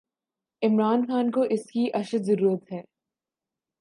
عمران خان کواس کی اشدضرورت ہے۔